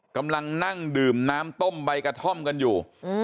กำลังนั่งดื่มน้ำต้มใบกระท่อมกันอยู่